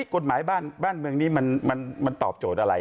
กฎหมายบ้านเมืองนี้มันตอบโจทย์อะไร